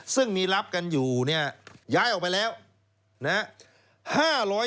ซึ่งมีรับกันอยู่เนี่ยย้ายออกไปแล้วนะฮะ